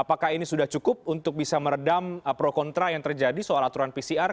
apakah ini sudah cukup untuk bisa meredam pro kontra yang terjadi soal aturan pcr